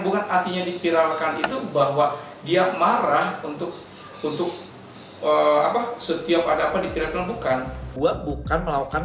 bukan artinya dipiralkan itu bahwa dia marah untuk setiap ada apa dipiralkan bukan